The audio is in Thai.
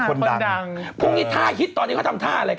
ตอนนี้เขาทำท่าอะไรกัน